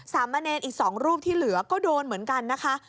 สามเณรอีก๒รูปที่เหลือก็โดนเหมือนกันนะคะ